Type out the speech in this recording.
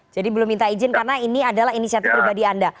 jadi belum minta izin karena ini adalah inisiatif pribadi anda